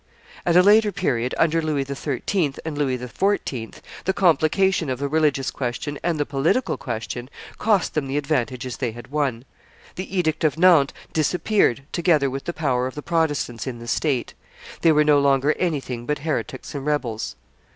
At a later period, under Louis XIII. and Louis XIV., the complication of the religious question and the political question cost them the advantages they had won; the edict of Nantes disappeared together with the power of the Protestants in the state. They were no longer anything but heretics and rebels.